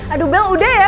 aduh belle udah ya